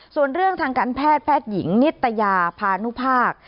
ส่วนเรื่องทางการแพทย์แพทย์หญิงนิตยาพานุภาค